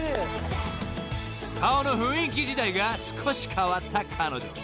［顔の雰囲気自体が少し変わった彼女］